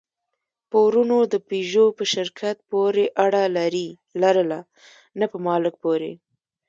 پورونو د پيژو په شرکت پورې اړه لرله، نه په مالک پورې.